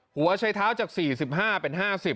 หัวใช้เท้าจาก๔๕เป็น๕๐